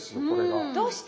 どうして？